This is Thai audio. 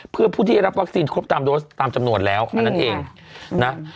เพื่อผู้ที่ได้รับวัคซีนครบตามโดสตามจำนวนแล้วอันนั้นเองนะ